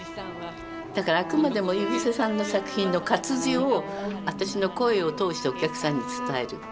だからあくまでも井伏さんの作品の活字を私の声を通してお客さんに伝える。